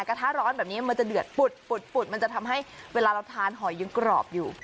กระทะร้อนแบบนี้มันจะเดือดปุดมันจะทำให้เวลาเราทานหอยยังกรอบอยู่